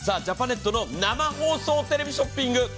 ジャパネットの生放送テレビショッピング